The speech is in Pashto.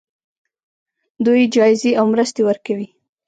دوی جایزې او مرستې ورکوي.